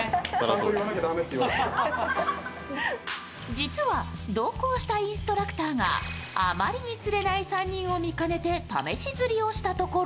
実は同行したインストラクターがあまりに釣れない３人を見かねて試し釣りをしたところ